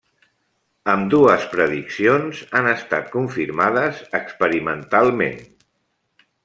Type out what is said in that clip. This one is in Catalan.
Ambdues prediccions han estat confirmades experimentalment.